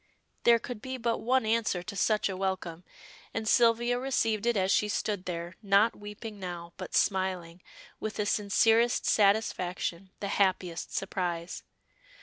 There could be but one answer to such a welcome, and Sylvia received it as she stood there, not weeping now, but smiling with the sincerest satisfaction, the happiest surprise.